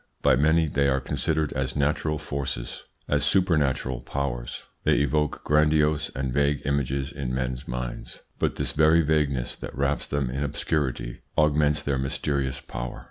By many they are considered as natural forces, as supernatural powers. They evoke grandiose and vague images in men's minds, but this very vagueness that wraps them in obscurity augments their mysterious power.